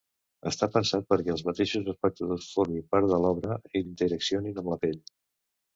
Està pensat perquè els mateixos espectadors formin part de l’obra i interaccionin amb la pell.